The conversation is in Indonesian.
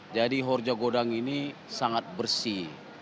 jadi horja godang ini sangat bersih